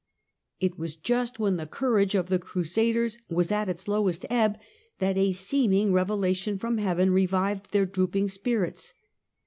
It was just when the courage of the Crusaders was at its lowest ebb that a seeming revelation from heaven revived their drooping spirits.